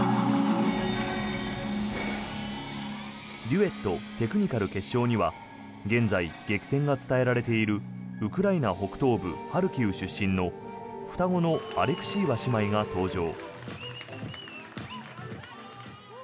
デュエット・テクニカル決勝には現在、激戦が伝えられているウクライナ北東部ハルキウ出身の双子のアレクシーワ姉妹が登場。